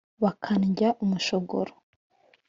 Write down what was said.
Bakandya umushogoro!